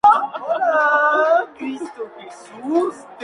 Nació con este nombre ya que el título fue otorgado por Alfonso Reyes.